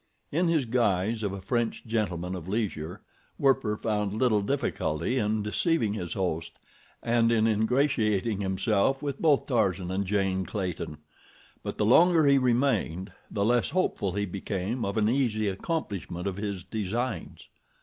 In his guise of a French gentleman of leisure, Werper found little difficulty in deceiving his host and in ingratiating himself with both Tarzan and Jane Clayton; but the longer he remained the less hopeful he became of an easy accomplishment of his designs.